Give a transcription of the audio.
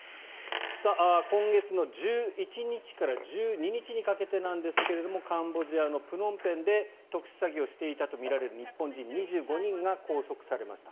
今月の１１日から１２日にかけてなんですがカンボジアのプノンペンで特殊詐欺をしていたとみられる日本人２５人が拘束されました。